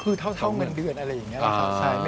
คือเท่าเงินเดือนอะไรอย่างนี้